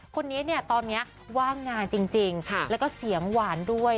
คนนี้เนี่ยตอนนี้ว่างงานจริงแล้วก็เสียงหวานด้วย